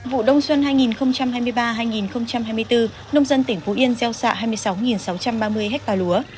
vụ đông xuân hai nghìn hai mươi ba hai nghìn hai mươi bốn nông dân tỉnh phú yên gieo xạ hai mươi sáu sáu trăm ba mươi ha lúa